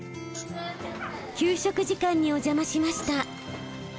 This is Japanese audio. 給食時間にお邪魔しました。